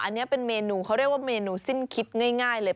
อันนี้เป็นเมนูเขาเรียกว่าเมนูสิ้นคิดง่ายเลย